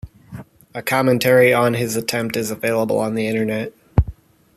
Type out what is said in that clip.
A commentary on his attempt is available on the Internet.